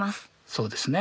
そうですね。